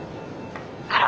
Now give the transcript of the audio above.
あら！